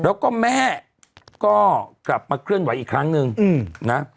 แล้วก็แม่ก็กลับมาเคลื่อนไหวอีกครั้งนึงนะ